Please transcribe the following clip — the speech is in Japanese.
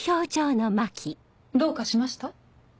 どうかしました？